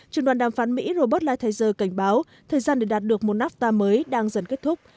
trường đoàn đàm phán mỹ robert lighthizer cảnh báo thời gian để đạt được một nafta mới đang dần kết thúc